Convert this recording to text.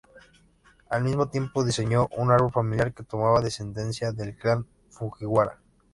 Al mismo tiempo, diseñó un árbol familiar que tomaba descendencia del clan Fujiwara.